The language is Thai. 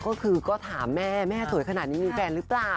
ก็คือก็ถามแม่แม่สวยขนาดนี้มีแฟนหรือเปล่า